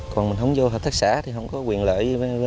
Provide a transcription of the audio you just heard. còn mình không vô hợp tác xã thì không có quyền lợi